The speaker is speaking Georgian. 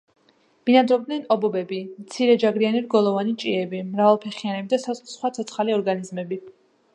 ბინადრობენ ობობები, მცირეჯაგრიანი რგოლოვანი ჭიები, მრავალფეხიანები და სხვა ცოცხალი ორგანიზმები.